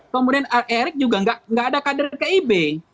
kemudian erick juga tidak ada kader kib